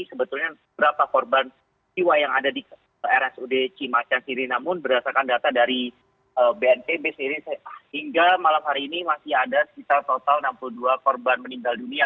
sebetulnya berapa korban jiwa yang ada di rsud cimacan siri namun berdasarkan data dari bnpb sendiri hingga malam hari ini masih ada sekitar total enam puluh dua korban meninggal dunia